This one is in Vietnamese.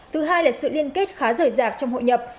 thứ hai là sự liên kết khá rời rạc trong hội nhập